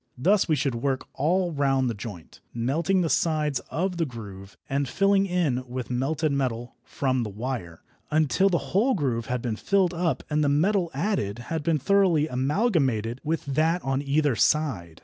Thus we should work all round the joint, melting the sides of the groove and filling in with melted metal from the wire, until the whole groove had been filled up and the metal added had been thoroughly amalgamated with that on either side.